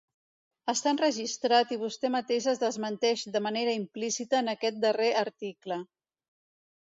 Està enregistrat i vostè mateix es desmenteix de manera implícita en aquest darrer article.